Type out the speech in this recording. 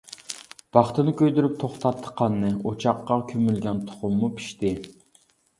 پاختىنى كۆيدۈرۈپ توختاتتى قاننى، ئوچاققا كۆمۈلگەن تۇخۇممۇ پىشتى.